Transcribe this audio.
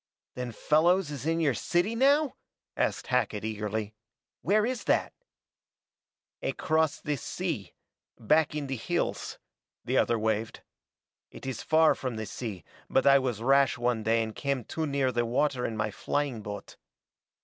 "Then Fellows is in your city now?" asked Hackett eagerly. "Where is that?" "Across this sea back in the hills," the other waved. "It is far from the sea but I was rash one day and came too near the water in my flying boat.